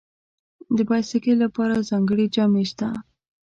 د بایسکل لپاره ځانګړي جامې شته.